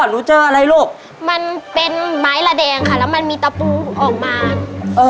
หนูเจออะไรลูกมันเป็นไม้ระแดงค่ะแล้วมันมีตะปูออกมาเอ่อ